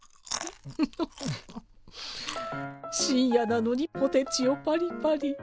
深夜なのにポテチをパリパリ。